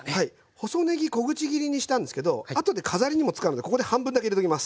細ねぎ小口切りにしたんですけどあとで飾りにも使うのでここに半分だけ入れときます。